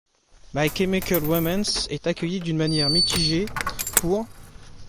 My Chemical Romance est accueilli d'une manière mitigée pour '.